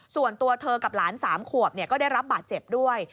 ส่วนตัวเธอกับหลาน๓ขวบก็ได้รับบาดเจ็บด้วย